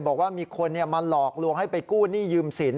บอกว่ามีคนมาหลอกลวงให้ไปกู้หนี้ยืมสิน